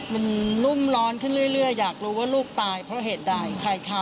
มันรุ่มร้อนขึ้นเรื่อยอยากรู้ว่าลูกตายเพราะเหตุใด